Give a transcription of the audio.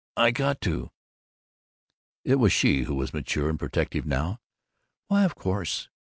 I got to " It was she who was mature and protective now. "Why, of course!